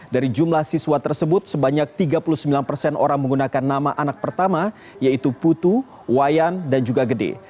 dari jumlah siswa tersebut sebanyak tiga puluh sembilan persen orang menggunakan nama anak pertama yaitu putu wayan dan juga gede